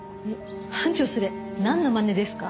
班長それなんのまねですか？